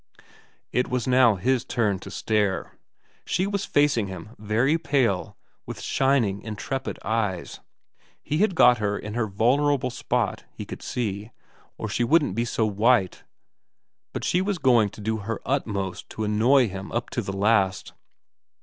It was now his turn to stare. She was facing him, very pale, with shining, intrepid eyes. He had got her in her vulnerable spot he could see, or she wouldn't be so white, but she was going to do her utmost to annoy him up to the last.